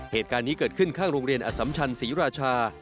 เหตุการณ์นี้เกิดขึ้นข้างโรงเรียนอสัมชันศรีราชา